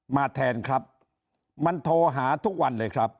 มาแทนครับมันโทรหาทุกวันเลยครับ